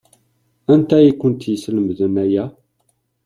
Anta i kent-yeslemden aya?